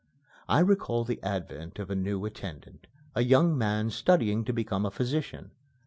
I recall the advent of a new attendant a young man studying to become a physician.